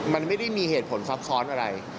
มันไม่ได้มีเหตุผลซับซ้อนอะไร